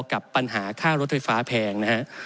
กับปัญหาค่ารถไฟฟ้าแพงนะฮะ